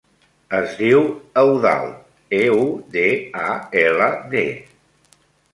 Es diu Eudald: e, u, de, a, ela, de.